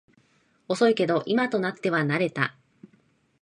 遅いけど今となっては慣れた